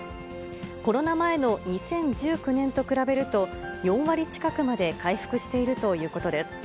コロナ前の２０１９年と比べると、４割近くまで回復しているということです。